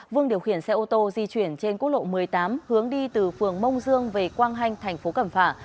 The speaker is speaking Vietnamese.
vương điều khiển xe ô tô di chuyển trên cốt lộ một mươi tám hướng đi từ phường mông dương về quang hanh tp cẩm phả